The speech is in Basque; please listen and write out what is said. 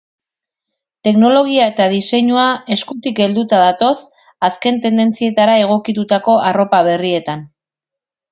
Teknologia eta diseinua eskutik helduta datoz azken tendentzietara egokitutako arropa berrietan.